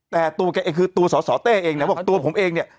แต่ตัวแกเองคือตัวสอสอเต้เองนะบอกตัวผมเองเนี่ย